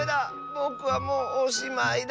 ぼくはもうおしまいだ。